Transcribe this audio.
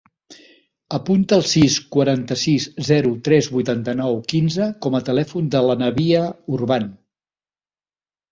Apunta el sis, cinquanta-sis, zero, tres, vuitanta-nou, quinze com a telèfon de l'Anabia Urban.